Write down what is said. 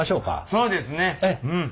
そうですねうん。